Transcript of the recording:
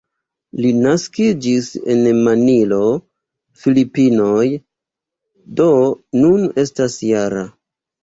Li naskiĝis en Manilo, Filipinoj, do nun estas -jara.